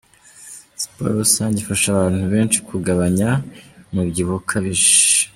Siporo rusajye ifasha abantu benshi kubanya umubyibuho ukabije.